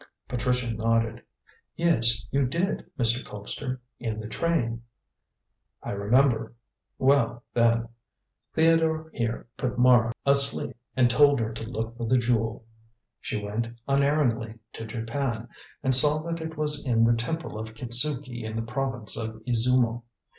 Patricia nodded. "Yes, you did, Mr. Colpster. In the train." "I remember. Well, then, Theodore here put Mara asleep, and told her to look for the jewel. She went unerringly to Japan and saw that it was in the Temple of Kitzuki in the province of Izumo.